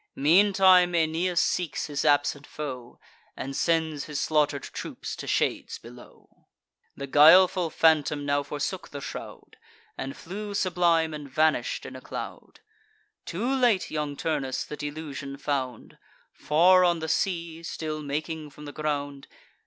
Meantime Aeneas seeks his absent foe, And sends his slaughter'd troops to shades below. The guileful phantom now forsook the shroud, And flew sublime, and vanish'd in a cloud. Too late young Turnus the delusion found, Far on the sea, still making from the ground.